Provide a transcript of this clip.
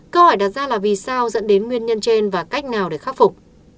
câu hỏi đặt ra là vì sao dẫn đến nguyên nhân trên và cách nào để khắc phục